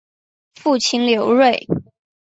父亲刘锐。